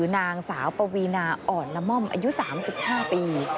นางสาวปวีนาอ่อนละม่อมอายุ๓๕ปี